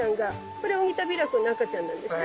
これオニタビラコの赤ちゃんなんですね。